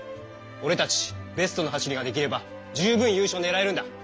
おれたちベストの走りができれば十分優勝ねらえるんだ。